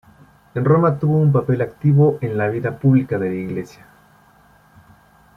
En Roma tuvo un papel activo en la vida pública de la Iglesia.